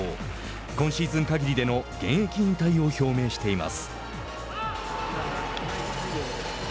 今シーズンかぎりでの現役引退を表明しています。